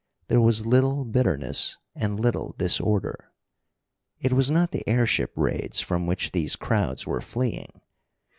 There was little bitterness and little disorder. It was not the airship raids from which these crowds were fleeing.